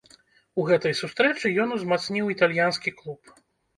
У гэтай сустрэчы ён узмацніў італьянскі клуб.